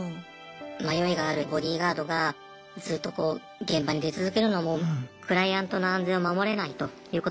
迷いがあるボディーガードがずっとこう現場に出続けるのもクライアントの安全を守れないということにつながります。